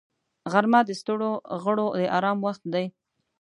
غرمه د ستړو غړو د آرام وخت دی